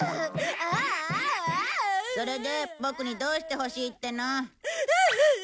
それでボクにどうしてほしいっての？